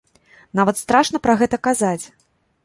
Нават страшна пра гэта казаць.